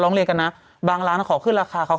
ร้องเรียกันนะบางร้านนะขอขึ้นราคาเขาก็